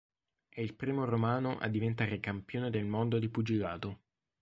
È il primo romano a diventare campione del mondo di pugilato.